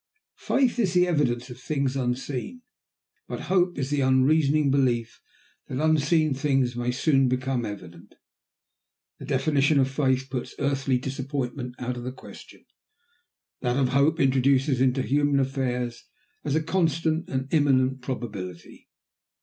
Faith is the evidence of things unseen, but hope is the unreasoning belief that unseen things may soon become evident. The definition of faith puts earthly disappointment out of the question; that of hope introduces it into human affairs as a constant and imminent probability.